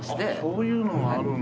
そういうのがあるんだ。